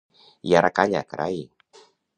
I ara calla, carai!